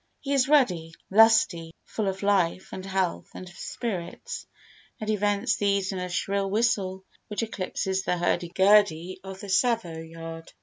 He is ruddy, lusty, full of life and health and spirits, and he vents these in a shrill whistle which eclipses the hurdy gurdy of the Savoyard.